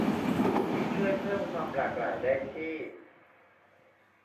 ช่วยเพิ่มความหลากหลายได้ที่